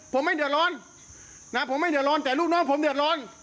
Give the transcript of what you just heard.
ผมไม่เดือดร้อนนะผมไม่เดือดร้อนแต่ลูกน้องผมเดือดร้อน